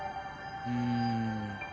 うん。